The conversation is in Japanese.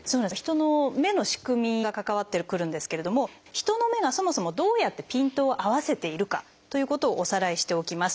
人の目の仕組みが関わってくるんですけれども人の目がそもそもどうやってピントを合わせているかということをおさらいしておきます。